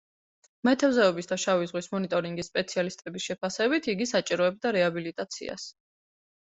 მეთევზეობისა და შავი ზღვის მონიტორინგის სპეციალისტების შეფასებით, იგი საჭიროებდა რეაბილიტაციას.